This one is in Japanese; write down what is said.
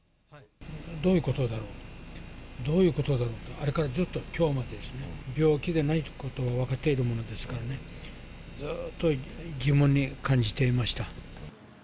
どういうことだろう、どういうことだろうと、あれからずっときょうまで、病気でないということは分かっているものですからね、ずっと疑問に感じていました。